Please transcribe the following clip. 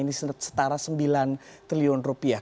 ini setara sembilan triliun rupiah